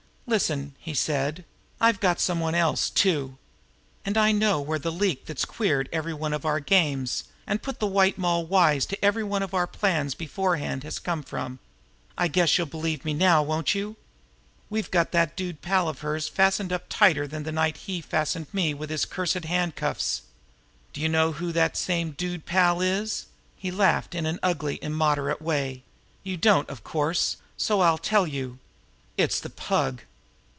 "Listen!" he said. "I've got some one else, too! And I know now where the leak that's queered every one of our games and put the White Moll wise to every one of our plans beforehand has come from. I guess you'll believe me now, won't you? We've got that dude pal of hers fastened up tighter than the night he fastened me with his cursed handcuffs! Do you know who that same dude pal is?" He laughed in an ugly, immoderate way. "You don't, of course, so I'll tell you. It's the Pug!"